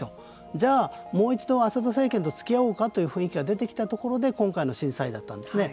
じゃあもう一度アサド政権とつきあおうかという雰囲気が出てきたところで今回の震災だったんですね。